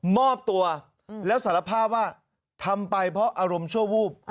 มอบตัวแล้วสารภาพว่าทำไปเพราะอารมณ์ชั่ววูบ